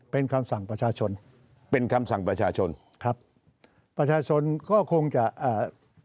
เป็นคำสั่งประชาชนเป็นคำสั่งประชาชนครับประชาชนก็คงจะอ่า